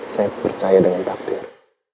saya percaya dengan takdir